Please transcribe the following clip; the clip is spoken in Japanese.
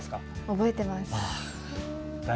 覚えてます。